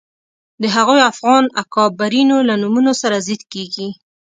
د هغو افغان اکابرینو له نومونو سره ضد کېږي